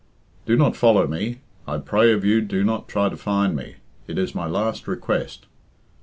"Do not follow me. I pray of you do not try to find me. It is my last request.